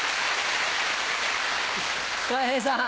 たい平さん。